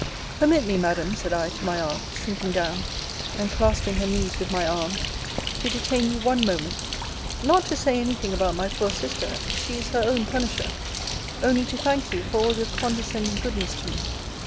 Permit me, Madam, said I to my aunt, sinking down, and clasping her knees with my arms, to detain you one moment not to say any thing about my poor sister she is her own punisher only to thank you for all your condescending goodness to me.